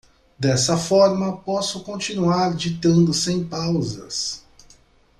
Dessa forma, posso continuar ditando sem pausas.